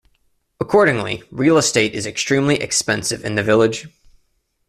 Accordingly, real estate is extremely expensive in the village.